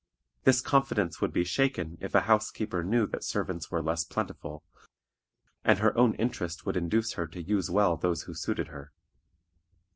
This confidence would be shaken if a housekeeper knew that servants were less plentiful, and her own interest would induce her to use well those who suited her.